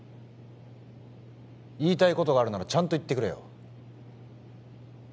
言いたいことがあるならちゃんと言ってくれよ